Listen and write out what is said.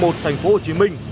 thành phố hồ chí minh